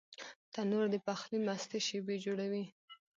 تنور د پخلي مستې شېبې جوړوي